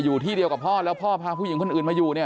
อยู่ที่เดียวกับพ่อแล้วพ่อพาผู้หญิงคนอื่นมาอยู่เนี่ย